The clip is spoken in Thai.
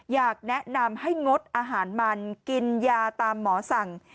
อยากแนะนำให้งดอาหารมันกินยาตามหมอสั่ง